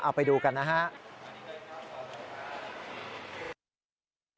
เอาไปดูกันนะครับ